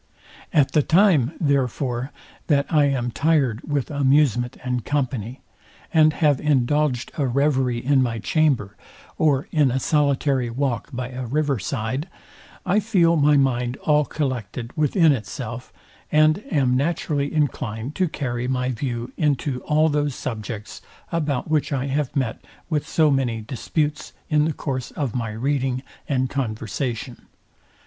At the time, therefore, that I am tired with amusement and company, and have indulged a reverie in my chamber, or in a solitary walk by a river side, I feel my mind all collected within itself, and am naturally inclined to carry my view into all those subjects, about which I have met with so many disputes in the course of my reading and conversation.